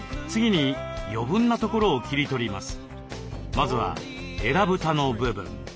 まずはえら蓋の部分。